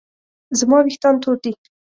زما ویښتان تور دي